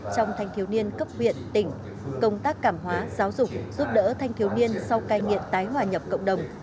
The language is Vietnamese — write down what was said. trong thanh thiếu niên cấp huyện tỉnh công tác cảm hóa giáo dục giúp đỡ thanh thiếu niên sau cai nghiện tái hòa nhập cộng đồng